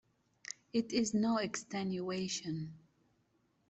It is no extenuation.